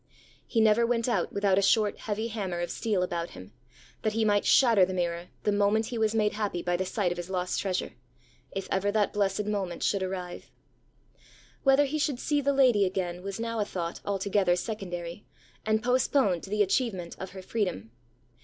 He never went out without a short heavy hammer of steel about him, that he might shatter the mirror the moment he was made happy by the sight of his lost treasure, if ever that blessed moment should arrive. Whether he should see the lady again, was now a thought altogether secondary, and postponed to the achievement of her freedom.